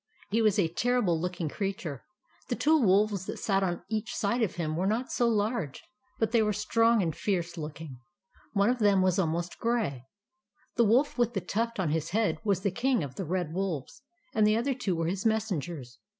He was a terrible looking creature. The two wolves that sat on each side of him were not so large ; but they were strong and fierce looking. One of them was almost grey. The wolf with the tuft on his head was the King of the Red Wolves ; and the other two were his messengers.